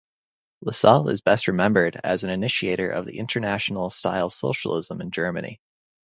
Lassalle is best remembered as an initiator of international-style socialism in Germany.